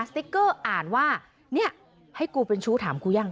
ติ๊กเกอร์อ่านว่าเนี่ยให้กูเป็นชู้ถามกูยัง